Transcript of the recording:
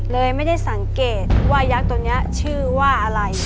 เลยไม่ได้สังเกตว่ายักษ์ตัวนี้ชื่อว่าอะไร